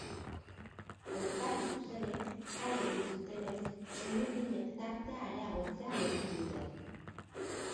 Aurkari zuzenek kale egin zutenez txuri-urdinek tartea areagotzea lortu dute.